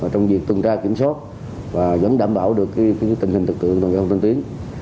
trong việc tuần tra kiểm soát và vẫn đảm bảo được tình hình thực tượng giao thông tân tiến